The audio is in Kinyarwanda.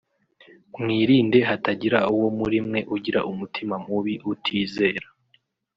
mwirinde hatagira uwo muri mwe ugira umutima mubi utizera